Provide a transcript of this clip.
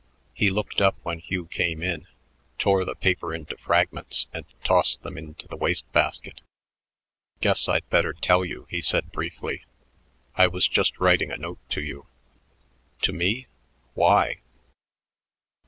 He looked up when Hugh came in, tore the paper into fragments, and tossed them info the waste basket. "Guess I'd better tell you," he said briefly. "I was just writing a note to you." "To me? Why?"